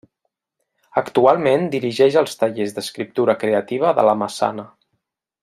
Actualment dirigeix els tallers d'escriptura creativa de La Massana.